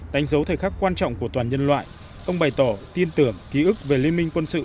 đánh dấu thời khắc quan trọng của toàn nhân loại ông bày tỏ tin tưởng ký ức về liên minh quân sự